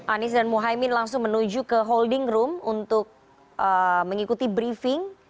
anies dan muhaymin langsung menuju ke holding room untuk mengikuti briefing